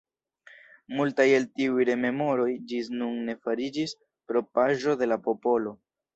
Multaj el tiuj rememoroj ĝis nun ne fariĝis propraĵo de la popolo.